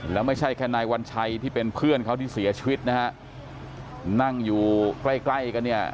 แล้วไม่ใช่แค่นายวัญชัยที่เป็นเพื่อนเขาที่เสียชีวิตนะฮะนั่งอยู่ใกล้ใกล้กันเนี่ย